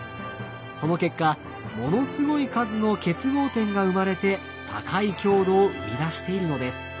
その結果ものすごい数の結合点が生まれて高い強度を生み出しているのです。